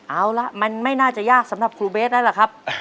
เอาละมันไม่น่าจะยากสำหรับครูเบสแล้วล่ะครับ